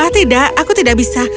tidak aku tidak bisa